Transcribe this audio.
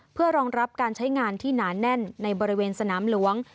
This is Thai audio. เพื่อรองรับการใช้งานที่หนาแน่นในบริเวณสนามหลวง